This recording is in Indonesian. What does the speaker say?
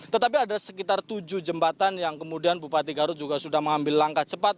tetapi ada sekitar tujuh jembatan yang kemudian bupati garut juga sudah mengambil langkah cepat